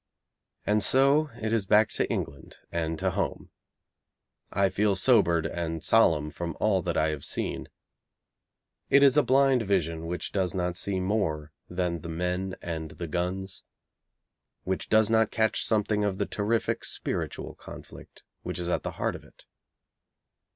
And so it is back to England and to home. I feel sobered and solemn from all that I have seen. It is a blind vision which does not see more than the men and the guns, which does not catch something of the terrific spiritual conflict which is at the heart of it.